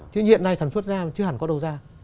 chứ hiện nay sản xuất ra chứ hẳn có đầu ra